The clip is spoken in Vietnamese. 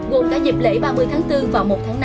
gồm cả dịp lễ ba mươi tháng bốn và một tháng năm